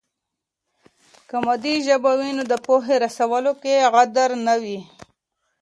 که مادي ژبه وي نو د پوهې رسولو کې غدر نه وي.